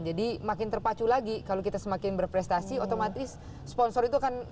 jadi makin terpacu lagi kalau kita semakin berprestasi otomatis sponsor itu akan